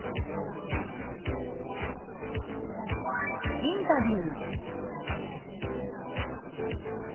「インタビュー」。